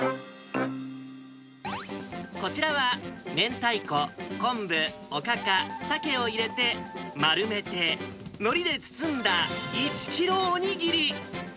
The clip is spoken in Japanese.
こちらは、めんたいこ、昆布、おかか、サケを入れて丸めて、のりで包んだ１キロおにぎり。